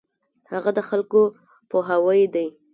هغه د خلکو پوهاوی دی.